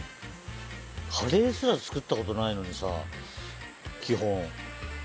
カレーすら作ったことないのにさ基本。